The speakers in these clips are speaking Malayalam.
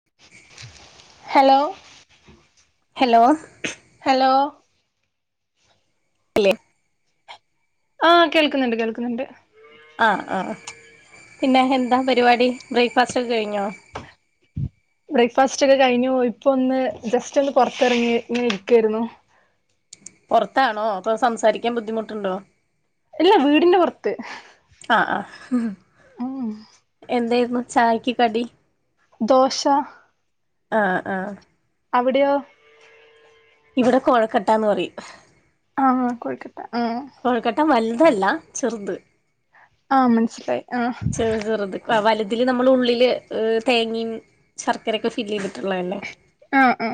[inaudible] ഹലോ? ഹലോ? ലോ? ഇല്ല. ആഹ കേൾക്കുന്നുണ്ട്. കേൾക്കുന്നുണ്ട്. ആഹ ആഹ. പിന്നെ എന്താ പരിപാടി ബ്രേക്ക്ഫാസ്റ്റ് ഒക്കെ കഴിഞ്ഞോ. ബ്രേക്ക്ഫാസ്റ്റ് ഒക്കെ കഴിഞ്ഞു. ഇപ്പ ഒന്ന് ജസ്റ്റ് ഒന്ന് പുറതെറങ്ങി ഇങ്ങ ഇരിക്കയിരുന്നു. പൊറത്താണോ പ്പൊ സംസാരിക്കാൻ ബുദ്ധിമുട്ടുണ്ടോ? ഇല്ല വീടിന്റെ പുറത്ത് ആ ആഹ ഉം എന്തായിരുന്ന്? ചായക്ക് കടി. ദോശ. ആഹ ആഹ അവിടെയോ? ഇവിടെ കോഴക്കെട്ടാന്ന് പറയും. ആ കോഴിക്കട്ട ആ തല്ല ചെറ്ത് ആ മനസിലായി ചെറ് ചെറ്ത് വലി തില് നമ്മള് ഉള്ളില് തേങ്ങിം ശർക്കരയൊക്കെ ഫില്ലേയ്തിട്ട്ള്ളതല്ലേ ആ ആ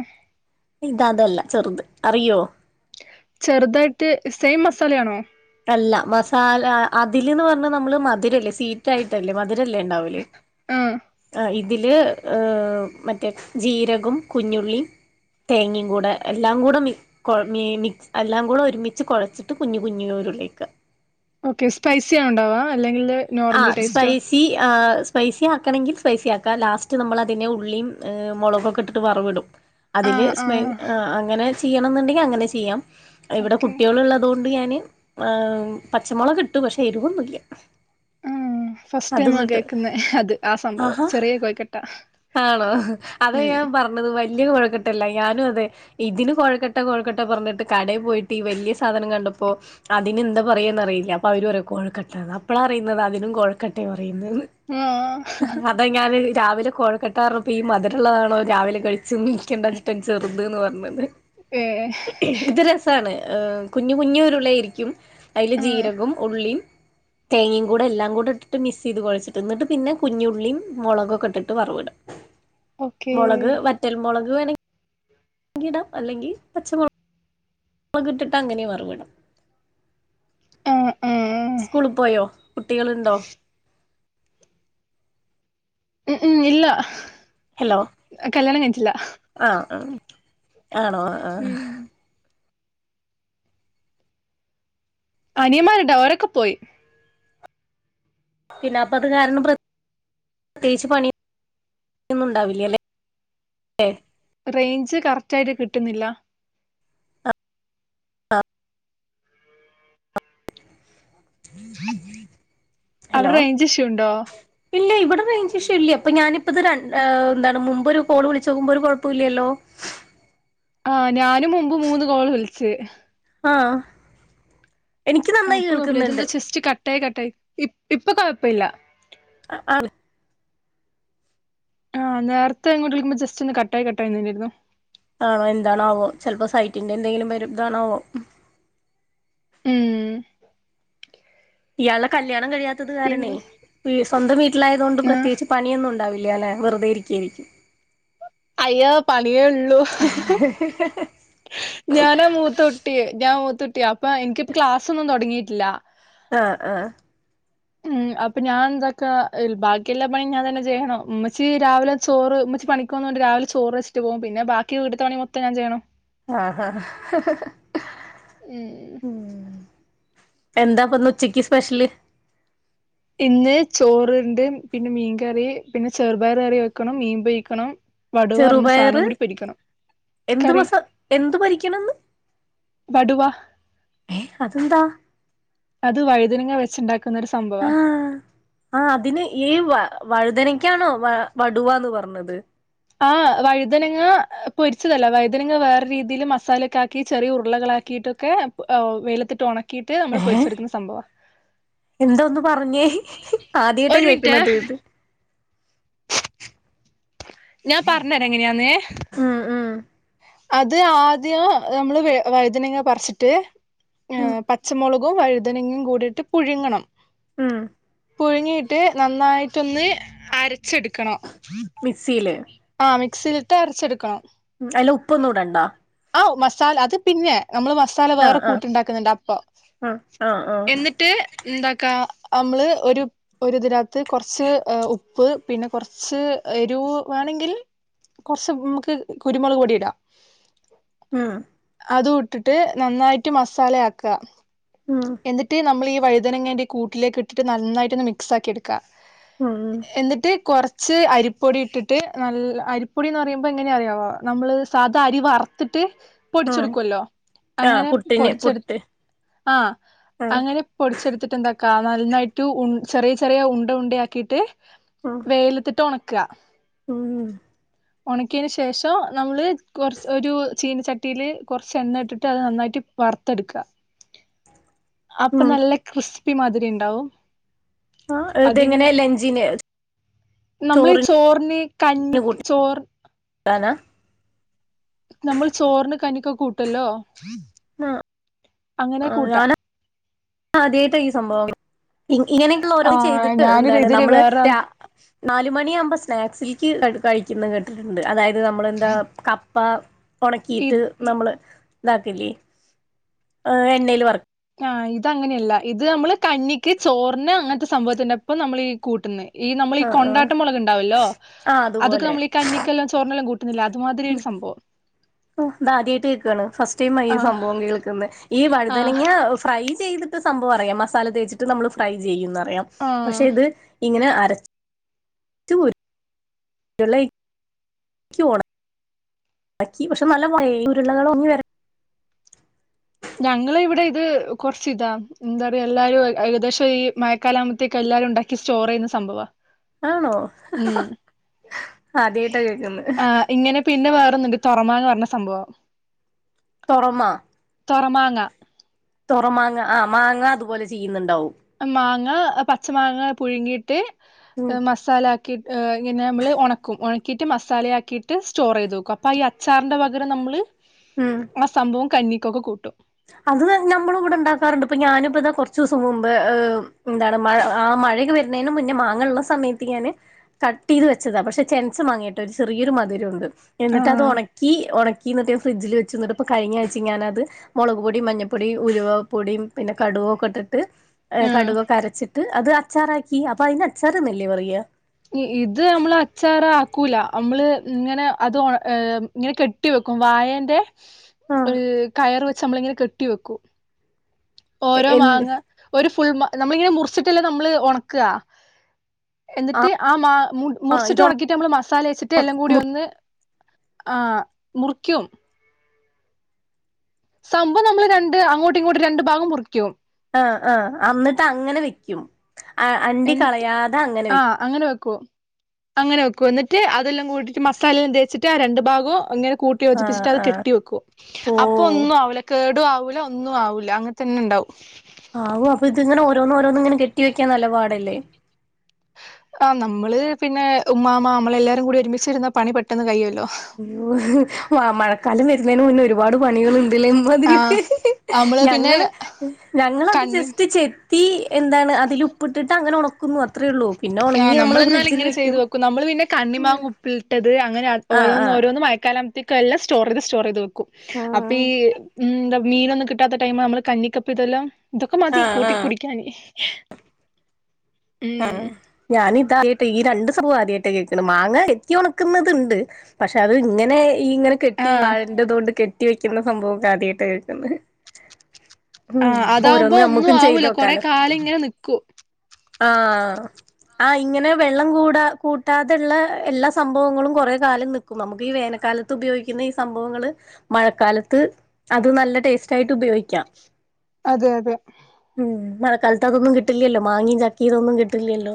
ഇത് അതല്ല ചെറ്ത് അറിയോ ചെറുതായിട്ട് സെയിം മസാലയാണോ അല്ല മസാല അതില്ന്ന് പറഞ്ഞാ നമ്മള് മധുരല്ലേ സ്വീറ്റ് ആയിട്ടല്ലേ മധ് രല്ലേണ്ടാവല് ആഹ് ആ ഇ തില് മറ്റേ ജീരകം കുഞ്ഞുള്ളി തേങ്ങേം കൂടെ എല്ലാം കൂടെ മി കൊ മി എല്ലാം കൂടെ ഒര്മിച്ച് കൊഴച്ചിട്ട് കുഞ്ഞി കുഞ്ഞി ഉരു ളെക്ക ഓക്കെ സ്പൈസിയാണോണ്ടാവാ ആ സ്പൈസി ഏ സ്പൈസി ആക്കണെങ്കി സ്പൈസി ആക്കാം ലാസ്റ്റ് നമ്മളതിനെ ഉള്ളിയും മൊളകൊക്കെ ഇട്ട്ട്ട് വറവിടും അതില് ആഹ് സ്പെ ആഹ് അ അങ്ങനെ ചെയ്യണന്ന്ണ്ടെങ്കി അങ്ങനെ ചെയ്യാം ഇവിടെ ഓക്കെ കുട്ട്യാള് ഉള്ളതോ ണ്ട് ഞാന് ഏ പച്ചമൊളക് ട്ട് പക്ഷേ എരിവൊന്നില്ല ഫസ്റ്റ്ടൈമാ കേക്ക്ന്നേ അത് ആ സംഭവം ആഹാ ചെറിയ കോയ്ക്കട്ടാ ആണോ അതാ ഞാൻ പറഞ്ഞത് വ ലിയ കോഴ്ക്കട്ടല്ല ഞാനും അതെ ഇതിന് കോഴ്ക്കട്ട കോഴ്ക്കട്ട പറഞ്ഞിട്ട് കടേ പോയിട്ട് വല്ല്യ സാധനം കണ്ട പ്പോ അതിനെന്താ പറയന്നറിയില്ല അപ്പോ അവര്പറിയാ കോഴ്ക്കട്ടാ അപ്പളാ റിന്നത് അതിനും കൊഴ്ക്കട്ട പറയ്ന്നെന്ന് ആഹ് അതാ ഞാന് രാവിലെ കോഴ്ക്കട്ടാറ്ഞ്ഞപ്പോ ഈ മധുര്ള്ളതാണോ രാവിലെ കഴിച്ചത് നിക്കണ്ടാചാരിച്ചിട്ടാ ഞാൻ ചെറത് ന്ന് പറഞ്ഞത് ഏഹ് ഇത് രസാണ് ഏ കുഞ്ഞു കുഞ്ഞു ഉരുളായിരിക്കും അയില് ആഹ് ജീരകം ഉള്ളീം തേങ്ങയും കൂടെ എല്ലാം കൂടെ ഇട്ടിട്ട് മിസേയ്ത് കൊഴച്ചിട്ട് ന്നട്ട് പിന്നെ കുഞ്ഞുള്ളീം മൊളകൊക്കെട്ടിട്ട് വറവ്ട ഓക്കേ മൊളക് വറ്റൽ മൊളക് വേണേ ങ്കിടാം അല്ലെങ്കി പച്ചമുള കിട്ടിട്ട് അങ്ങനെ വറവ്ടാം ആ കുട്ടികളുണ്ടോ ഉം ഉം ഇല്ല ഹലോ കല്യാണം കഴിഞ്ഞിട്ടില്ലാ ആ ആ ആണോ ആ ഉം അനിയമാര്ണ്ട് അവരൊക്കെ പോയി പിന്നെപ്പത് കാരണം പ്ര ത്യേച്ച് പണിന്നുണ്ടാവില്ലല്ലേ റേഞ്ച് കറക്റ്റായിട്ട് കിട്ട്ന്നില്ല ഹലോ അവിടെ റേഞ്ച് ഇഷ്യൂണ്ടോ ഇല്ല ഇവിടെ റേയ്ഞ്ച് ഇഷ്യൂ ഇല്ല ഇപ്പൊ ഞാനിപ്പത് രണ്ട് ഏ എന്താണ് മുമ്പോരു കോള് വിളിച്ചോക്കുമ്പോ ഒരു കൊഴപ്പുല്ലല്ലോ ആ ഞാനും മുമ്പ് മൂന്ന് കോള് വിളിച്ച് ആ എനിക്ക് ആ നന്നായി അപ്പം കുഴപ്പല്ല കേൾക്കുന്നുണ്ട് ഇതെന്താ ജസ്റ്റ് കട്ടായി കട്ടായി ഇ ഇപ്പൊ കൊഴപ്പ ഇല്ല ആ ആ ആഹ് നേരത്തെ ഇങ്ങോട്ട് വിളിക്കുമ്പോ ജസ്റ്റോന്ന് കട്ടായി കട്ടായി നിന്നിരുന്നു ആണോ എന്താണാവോ ചെലപ്പോ സൈറ്റിന്റെ എന്തെങ്കിലും വരുതാണാവോ ഉം ഇയാള്ടെ കല്യാണം കഴിയാത്തത് കാരണേ പിന്നെ വീ സ്വന്തം വീട്ടിലായതോണ്ട് ആഹ് പ്രത്യേകിച്ച് പണിയൊന്നുണ്ടാവി ഇല്ലാ, ഞാൻ വെറുതെ ഇരിക്കെയ്നി അയ്യോ, പണിയേ ഉള്ളൂ. ഞാനാ മൂത്തട്ടി. ഞാൻ മൂത്തട്ടിയ, അപ്പൊ എനിക്ക് ക്ലാസൊന്നും തുടങ്ങിട്ടില്ല ആ ആ അപ്പൊ ഞാൻ എന്താക്കാ, ബാക്കിയെല്ലാ പണി ഞാൻ തന്നെ ചെയ്യണം. മ്മച്ചി രാവിലെ ചോറ് മമ്മച്ചി പണിക്കൊന്ന രാവില ചോറ് വച്ചിട്ട് പോവും. പിന്നെ ബാക്കി വീട്ടിത്തെ പണി മൊത്തം ഞാൻ ചെയ്യണം. ആഹ, ഹ, ഹ് ഹ്, ഉം ഉം എന്താപ്പോന്ന് ഉച്ചക്ക് സ്പെഷ്യല്. ഇന്ന് ചോറണ്ട്, പിന്നെ മീൻകറി, പിന്നെ ചെറുപയർ കറി വെക്കണം മീൻപൊഴിക്കണം വടുവ പറഞ്ഞ സാധനം ചെറുപയറ് കൂടി പൊരിക്കണം. എന്ത് കറി മസ എന്ത് പൊരിക്കണംന്ന് വടുവ ഏ അതെന്താ അത് വൈതനങ്ങ വെച്ചുണ്ടക്ക ആ ആ അതിൻ ഏ വ വഴുതനക്കാണോ വ വടുവാന്ന് പറഞ്ഞത്. ആ വഴുതനങ്ങ പൊരിച്ചതല്ല, വഴുതനങ്ങ വേറെ രീതിയിൽ മസാലൊക്കെ ആക്കി ചെറിയ ഉരുളകള ആക്കിട്ടൊക്കെ ഓ വെയിലത്തിട്ട് ഉണക്കിയിട്ട് നമ്മള് ഏഹ് പൊരിച്ചെടുക്കുന്ന സംഭവ. എന്താ ഒന്ന് പറഞ്ഞേ ആദ്യയായിട്ടാ ഒരു മിനിറ്റേ കേക്കണത് ഇത് ഞാൻ പറഞ്ഞരാം എങ്ങനെയാന്ന്. ഉം ഉം അത് ആദ്യം നമ്മള് വൈദ്യനങ്ങ പറിച്ചിട്ട് ഉം ഏ പച്ചമുളക് വഴുതനെങ്ങും കൂടിയിട്ട് പുഴുങ്ങണം. ഉം പുഴുങ്ങിയിട്ട് നന്നായിട്ടൊന്ന് അരച്ചെടുക്കണം. മിക്സിയില് ആ മിക്സിലിട്ട് അരച്ചെടുക്കണം. അല്ല ഉപ്പൊന്നും ഇടണ്ട. ഓ മസാല, അത് പിന്നെ നമ്മള് മസാല വേറെ ആഹ് ആഹ് കൂട്ടു ണ്ടാക്കുന്നുണ്ട് അപ്പൊ. ആഹ് ആഹ് ആഹ് എന്നിട്ട് എന്താക്കാ നമ്മള് ഒരു ഒരുതികത്ത് കുറച്ച് ഉപ്പ് പിന്നെ കുറച്ച് എരു വേണങ്കി ങ്കിൽ കുറച്ച് മക്ക് കുരുമുളക് പൊടി ഇടാം. ഉം അതു ഇട്ടിട്ട് നന്നായിട്ട് മസാലയാക്ക. ഉം എന്നിട്ട് നമ്മളി വഴുതനങ്ങന്റെ കൂട്ടിലേക്ക് ഇട്ടിട്ട് നന്നായിട്ട് ഒന്ന് മിക്സാക്കി എടുക്ക. ഉം എന്നിട്ട് കൊറ ച്ച് അരിപ്പൊടി ഇട്ടിട്ട്, നല്ല, അരിപ്പൊടിന്ന് പറയുമ്പോ എങ്ങനെ അറിയോ നമ്മൾ സാധ അരി വറ്ത്തിട്ട് ഉം പൊടിച്ചെടുക്കുവല്ലോ. ആഹ് അങ്ങനെ പുട്ടിന് പൊടിച്ചെടുത്ത പുട്ട് ആഹ, ആഹ് അങ്ങനെ പൊടിച്ചെടുത്തിട്ട് എന്താക്ക ക്ക. നന്നായിട്ട് ഉണ് ചെറിയ, ചെറിയ ഉണ്ട, ഉണ്ട ആക്കിയിട്ട് ഉം വെയിലത്തിട്ട് ഉണക്കാ. ക്ക. ഉം. ഉണക്കിയന് ശേഷം നമ്മള് കുറച്ച് ഒരു ചീനച്ചട്ടിയില് കുറച്ച് എണ്ണട്ടിട്ട് അത് നന്നായിട്ട് വറുത്തെട്ക്ക. [inaudible] അപ്പ ഉം നല്ല ക്രിസ്പിമാതിരി ണ്ടാവും. ആ. ഇതെങ്ങനെ ലഞ്ചിന് നമ്മളി ചോറിന്, കഞ്ഞിക്ക്, ചോർ [unintelligible] നമ്മൾ ചോറിൻ, കഞ്ഞിക്കൊക്കെ കൂട്ടല്ലോ? ആഹ. അങ്ങനെ കൂട്ട. ആ അതേതാ ഈ സംഭവം ഇങ്ങനെയക്കുള്ള ഓരോ ആ ചെയ്തിട്ട്, ഞാനൊരു എന്താണ് ഇതില് നമ്മള് വേറൊരാൾ ര നാലുമണിയാകുമ്പോ സ്നാക്സില്ക്ക് എടു കഴിക്കുന്ന കേട്ടിട്ടുണ്ട്. അതായത് നമ്മളെന്താ കപ്പ ഇ ഒണക്കിയിട്ട് നമ്മള്. ഇതാക്കില്ലേ? ഹ എണ്ണയിൽ വറക്ക. ആ ഇത് അങ്ങനെയല്ല. ഇത് നമ്മള് കഞ്ഞിക്ക്, ചോറിന് അങ്ങനത്തെ സംഭവത്തിന്റെപ്പം നമ്മൾ ഈ കൂട്ടുന്നെ. ഈ നമ്മള് ഈ ആ ആ കൊണ്ടാട്ടം മുളക്ണ്ടാവല്ലോ? ആ അതൊക്കെ അതുപോലെ നമ്മള് ഈ കഞ്ഞിക്കെല്ലാം, ചോറ്നെല്ലാം കൂട്ടി. മാതിരി യൊരു സംഭവം. ത് ആദ്യയിട്ട് കേക്കാണ്, ഫസ്റ്റ് ടൈമാ ഈ ആ സംഭവം കേൾക്കുന്നെ. ഈ ആ വഴുതനങ്ങ [inaudible] ഫ്രൈ ചെയ്തിട്ട് സംഭവം അറിയാം, മസാല തേച്ചിട്ട് നമ്മൾ ഫ്രൈ ചെയ്യുംന്നറിയാം. ആ പക്ഷെ ഇത് ഇങ്ങനെ. അരച്ച ചൂര്. [unintelligible] ക്കി പക്ഷെ നല്ല പോയേ ഉരുള്ളകള ഒങ്ങി വരാ [inaudible] [unintelligible] ഞങ്ങള് ഇവിടെ ഇത് കൊറച് താ, എന്താ റയാ എല്ലാരും ഏകദേശം ഈ മഴക്കാലാകുമ്പത്തേക്ക്‌. എല്ലാവും ണ്ടാക്കി സ്റ്റോറെ യ്യുന്ന സംഭവ ആണോ? ഹ, ഹ, ആദ്യായിട്ടാ കേക്ന്നേ. [inaudible] [unintelligible] ന്ന്ണ്ട് തൊറമാങ്ങ പറഞ്ഞ സംഭവം. തൊറമ? തൊറമാങ്ങ. തൊറ മാങ്ങ. ആ മാങ്ങ അതുപോലെ ചെയ്യുന്നുണ്ടാവും? മാങ്ങ. പച്ച മാങ്ങ പുഴുങ്ങിയിട്ട് ഉം മസാല. ക്കി ഇങ്ങനെ നമ്മൾ ഉണക്കും. ഉണക്കിയിട്ട് മസാലയാക്കിയിട്ട് സ്റ്റോറെ യ്ത് വെക്കും. അപ്പ ഈ അച്ചാറിൻ്റെ പകരം നമ്മള്. ഉം ആ സംഭവം കഞ്ഞിക്കൊക്കെ കൂട്ടും. അത് ഞമ്മള് ഇവിടെ ണ്ടാക്കാറ്ണ്ട്. ഇപ്പൊ ഞാനിപ്പ താ കുറച്ചൂസം മുമ്പ് എന്താണ് മഴ ആ. മഴക്കെ വര്ന്നേന് മുന്നെ. മാങ്ങള്ള സമയത്ത് ഞാന് കട്ടീത് വെച്ചതാ, പക്ഷെ ചെൻച്ച മങ്ങേട്ടാ രു ചെറിയരു മ. ധുരണ്ട്. എന്നിട്ട് അത് ആഹ് ഒണക്കി, ഒണക്കി ഞാന് ഫ്രിഡ്ജിൽ വെച്ച്ന്ന് ട്ടി പ്പൊ കഴിഞ്ഞാഴ്ച ഞാനത്. മുളക് പൊടി, മഞ്ഞപ്പൊടി, ഉലുവാ പ്പൊടിയും പിന്നെ കടുവൊക്കെ ട്ടിട്ട് ആഹ് കടുവൊക്കെരച്ചിട്ട്. അത് അച്ചാറാക്കി. അപ്പൊ അയിന് അച്ചാറ്ന്നല്ലേ പറയാ? ഇത് നമ്മള് അച്ചാറാ ക്കൂല. നമ്മള് ങ്ങനെ അത് ഇങ്ങനെ കെട്ടി വെക്കും. വായന്റെ ആ ഇ കയറ് വെച്ച് നമ്മള ഇ ങ്ങനെ കെട്ടി വെക്കും. ഓരോ മാങ്ങ ഒരു ഫുൾ മാ നമ്മളിങ്ങനെ മുറിച്ചിട്ടല്ലെ നമ്മള് ഒണക്കാ? എന്നിട്ട് ആ മാ മുറിച്ചിട്ട് ഇത് ഉണക്കിയിട്ട് നമ്മൾ മസാല വെച്ചിട്ട് എല്ലാം കൂടി ഒന്ന്. ആഹ മുറിക്കും. സംഭവം നമ്മള് രണ്ട് അങ്ങോട്ട് ഇങ്ങോട്ട് രണ്ടു ഭാഗം മുറിക്കും. ആ ആ് അന്നിട്ട് അങ്ങനെ വെക്കും അണ്ടി കളയാതെ അങ്ങനെ വെക്കും. അങ്ങനെക്കെ വന്നിട്ട് അതെല്ലാം കൂട്ടിട്ട് മസാലെല്ലാം തേച്ചിട്ട് ആ രണ്ണ്ട് ഭാഗവും ഇങ്ങനെ. ആ കൂട്ടിയോജിപ്പിച്ചിട്ട് അത് ആ കെട്ടി വെക്കും അപ്പൊ ഓ ഒന്നും ആവുലക്കേട ല ഒന്നും ആവൂല്ല അങ്ങനെ തന്നെ ഉണ്ടാവും. ആവോഅപ്പൊ ഇതിങ്ങനെഓന്നും ഓരോന്നും ഇങ്ങനെ കെട്ടി വെക്കാൻ നലപാടല്ലേ? ആ് നമ്മള് പിന്നെ ഉമ്മാമാ നമ്മള എല്ലാരും കൂടി ഒരുമിച്ചച്ച്രുന്ന പണി പെട്ടെന്ന് കഴിയുമല്ലോ? മഴക്കാലം വരുന്നതിന് മുന്നെ ഒരുപാട് പണികള തിരി ആഹ് ഒക്കെ നമ്മള് പിന്നെ ഞങ്ങള് ഞങ്ങളത് കണ്ണി ജസ്റ്റ് ചെത്തി [inaudible] എന്താണ് അതിൽ ഉപ്പിട്ടിട്ട് അങ്ങനെ ഉണക്കുന്നു അത്രേ ഉള്ളൂ പിന്നെ ഉണങ്ങി നമ്മള് ഫ്രിഡ്ജിൽ വെക്കും. കണിമാങ്ങങ് ഉപ്പിലട്ടത് അങ്ങനെ ആഹ് ആഹ് ഓോഓരോന്നും മയക്കാലകുമത്തേക്കല്ല സ്റ്റോർ ചെയ്ത് സ്റ്റോർ ചെയ്ത്വക്കും. [inaudible] അപ്പ ഈ മ്ന്താമീനൊന്നും കിട്ടാത്ത ടൈം നമ്മള് കഞ്ഞിക്കപ്പ ഇതെല്ലാം ക്കു [inaudible] ഇതൊക്കെ മതി ആഹ് കൂട്ടി ആഹ് കുടിക്കാൻ. ആ ഞാനിതായിട്ട് ഈ രണ്ട്. ആദ്യമായിട്ട് കേൾക്ക മാങ്ങ കെത്തി ഒണക്കുന്നുന്നത്ണ്ട് പക്ഷെ അത് ഇങ്ങനെ. ഈ ഇങ്ങനെ കെട്ടി ആഹ് വാഴണ്ടതുകൊണ്ട് കെട്ടി വെക്കുന്ന സംഭവംക്കെ ആദ്യട്ട് തേക്കു ന്നേ [inaudible] ഉം ആഹ് ഓരോന്ന് അതാവുമ്പോ ഒന്നും നമ്മക്കും ചെയ്ത് ആവൂല കൊറെ ഓക്കാല്ലോ കാലം ഇങ്ങനെ നിക്കും ആഹ. ആ് ഇങ്ങനെ വെള്ളം കൂടാ കൂട്ടാതെയുള്ള എല്ലാ സംഭവങ്ങളും കൊറെ കാലം നിക്കും നമുക്ക് ഈ വേന. മഴക്കാലത്ത് ഉപയോഗിക്കുന്ന ഈ സംഭവങ്ങള് മഴക്കാലത്ത് അത് നല്ല ടേസ്റ്റ് ആയിട്ട് ഉപയോഗിക്കാം. അതെ അതെ. ഇക്കാലത്ത് അതൊന്നും കിട്ടില്ലല്ലോ മാങ്ങേം ചക്കേം ഇതൊന്നും കിട്ടില്ലല്ലോ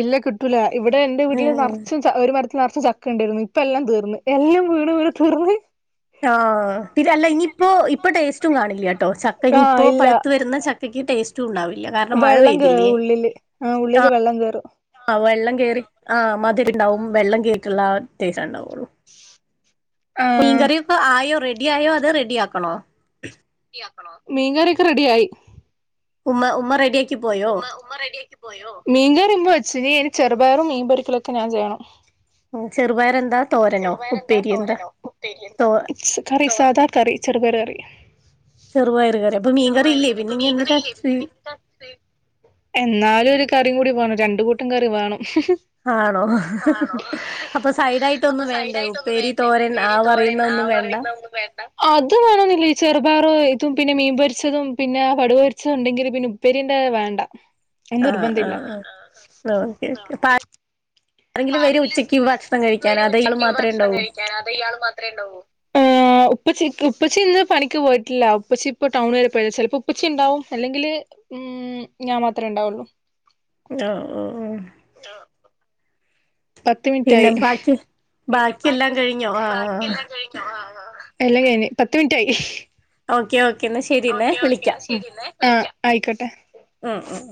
ഇല്ല കിട്ടൂല ഇവിടെ എൻറെവീട്ടില് നെറച്ചും ഒരു മര നർച്ച് ചക്കണ്ടായിരുന്നു ഇപ്പ എല്ലാം തീർന്ന് എല്ലാം വീണ് വീണ് തീർന്നുപൊയി ആ ഇതല്ല ഇനിയിപ്പോ ഇപ്പൊ ടേസ്റ്റും കാണില്ല ട്ടോ ആഹ് ചക്കയിനിയിപ്പോ ഇല്ല പഴുത്തു വരുന്ന ചക്കയ്ക്ക് ടേസ്റ്റും ഉണ്ടാവില്ല കാരണം മഴ വെള്ളം കേറും പെയ്തില്ലേ ഉള്ളില് ആ ഉള്ളില് വെള്ളം കേറും ആ വെള്ളം കേറി ആ മധുരം ഉണ്ടാവും വെള്ളം കേറിട്ടുള്ള ടേസ്റ്റ് ഉണ്ടാവുള്ളൂ ആഹ് മീൻകറിയൊക്കെ ആയോ റെഡിയായോ അതോറെഡിയാക്കണോ മീൻകറിയൊക്കെ റെഡിയായി ഉമ്മ ഉമ്മറെഡിയാക്കി മീൻകറി ഉമ്മവെച്ച് ഇനി എന്ക് ചെറുപയറും മീൻ പൊരിക്കലൊക്കെ ഞാൻ ചെയ്യണം. ഉം ചെർ ചെറുപയറെന്താ തോരനോ ഉപ്പേരി എന്താ തോ കറി സാദാകറി ചെറുപയറുകറി ചെറുപയറു കറി അപ്പൊ മീൻകറി ഇല്ലേ പിന്നെ നി എന്തിനാ ച്ചി എന്നാലും ഒരുകറിയുംകൂടി വേണം രണ്ടുകൂട്ടംകറിവേണം. ആണോ ആണോ അപ്പൊ അപ്പൊ സൈഡായിട്ടൊന്നും വേണ്ടേ സൈനായിട്ടൊന്നും ഉപ്പേരി വേണ്ടേ തോരൻ ആ ഉപ്പേരി തോരൻ പറയുന്ന ആ ഒന്നും വേണ്ട പറയുന്നയൊന്നും വേണ്ട അത് വേണോന്നില്ല ഈ ചെറുപയറ് ഇതും പിന്നെ മീൻ പൊരിച്ചതും പിന്നെ കടുകുപൊരിച്ചതും ഉണ്ടെങ്കിൽ പിന്നെ ഉപ്പേരിൻറ്റേ എ വേണ്ട ആഹ് നിർബന്ധം ഇല്ല ആഹ് ആഹ് ഓക്കെ ആ ആ ഓക്കെ അപ്പ അപ്പം വരും ആരെങ്കിലും ഉച്ചക്ക് ഭക്ഷണം കഴിക്കാൻ വരുവോ അതോ ഇയാള് ഉച്ചക്ക് മാത്രമേ ഭക്ഷണം ഉണ്ടാവൂ കഴിക്കാൻ അതോ ഇയാളുമാത്രേ ഉണ്ടാവൂ ഏ ഉപ്പച്ചി ഉപ്പച്ചി ഇന്നുപണിക്ക് പോയിട്ടില്ല ഉപ്പച്ചി ഇപ്പോടൗൺ വരെപോയ് ചെലപ്പോ ഉപ്പച്ചിണ്ടാവും അല്ലെങ്കില് ഉം ഞാൻ മാത്രമേ ഉണ്ടാവുള്ളു ആഹ് ആഹ് ആഹ് പത്തുമിനിറ്റായി പിന്നെ ബാക്കി പിന്നെ ബാക്കിയെല്ലാം ബാക്കി കഴിഞ്ഞോ ആഹ് ആഹ് ബാക്കിയെല്ലാം കഴിഞ്ഞോ ആ എല്ലാം കഴിഞ്ഞ് പത്തുമിനിറ്റായി ഓക്കെ ഓക്കെ എന്നാ ശരി എന്നേ ഓക്കെ ഓക്കെ വിളിക്കാം എന്നാ ശരിയെന്ന് ആയിക്കോട്ടെ ഉം ഉം